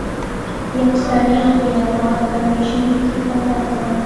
یو سړي یو مار په ژمي کې پیدا کړ.